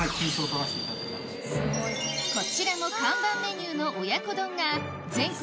こちらも看板メニューの親子丼が全国